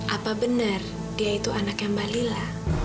apa benar dia itu anak yang balila